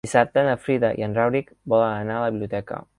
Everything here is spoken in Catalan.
Dissabte na Frida i en Rauric volen anar a la biblioteca.